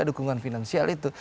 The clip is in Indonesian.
dukungan finansial itu